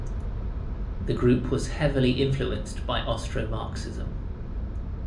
The group was heavily influenced by Austromarxism.